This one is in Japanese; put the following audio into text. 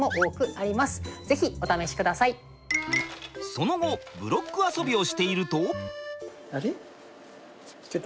その後ブロック遊びをしていると。